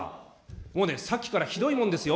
もうね、さっきからひどいもんですよ。